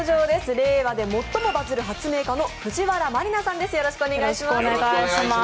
令和で最もバズる発明家の藤原麻里菜さんです。